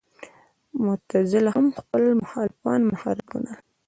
معتزله هم خپل مخالفان منحرف ګڼل.